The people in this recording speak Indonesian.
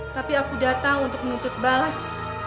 tapi aku datang untuk menuntut balas